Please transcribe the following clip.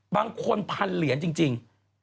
บางคนพันเหรียญจริง